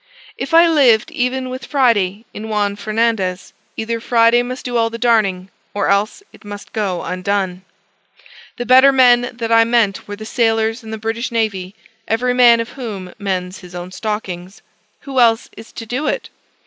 If I lived even with Friday in Juan Fernandez, either Friday must do all the darning, or else it must go undone. The better men that I meant were the sailors in the British navy, every man of whom mends his own stockings. Who else is to do it?